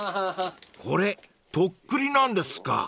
［これとっくりなんですか］